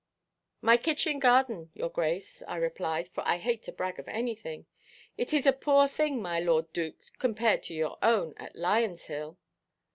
'My kitchen–garden, your grace,' I replied, for I hate to brag of anything, 'it is a poor thing, my lord Dook, compared to your own at Lionshill.